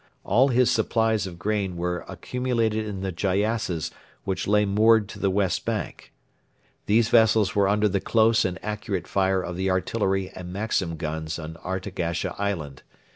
All his supplies of grain were accumulated in the gyassas which lay moored to the west bank. These vessels were under the close and accurate fire of the artillery and Maxim guns on Artagasha island.